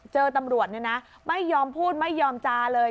เจอตำรวจเนี่ยนะไม่ยอมพูดไม่ยอมจาเลย